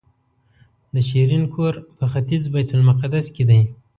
د شیرین کور په ختیځ بیت المقدس کې دی.